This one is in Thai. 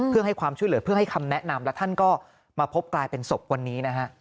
เพื่อให้ความช่วยเหลือเพื่อให้คำแนะนำและท่านก็มาพบกลายเป็นศพวันนี้นะฮะ